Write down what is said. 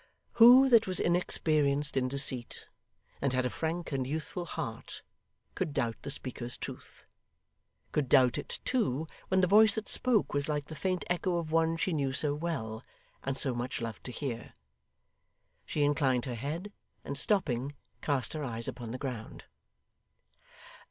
Who that was inexperienced in deceit, and had a frank and youthful heart, could doubt the speaker's truth could doubt it too, when the voice that spoke, was like the faint echo of one she knew so well, and so much loved to hear? She inclined her head, and stopping, cast her eyes upon the ground.